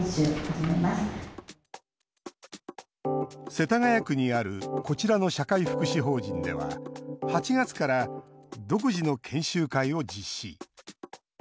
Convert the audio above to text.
世田谷区にあるこちらの社会福祉法人では８月から独自の研修会を実施。